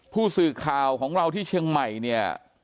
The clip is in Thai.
ผู้สื่อข่าวของเราที่เชียงใหม่เนี่ย